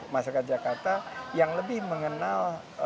masyarakat jakarta yang lebih mengenal